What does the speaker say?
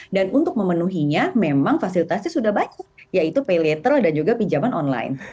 dan untuk memenuhinya memang fasilitasnya sudah banyak yaitu pay letter dan juga pinjaman online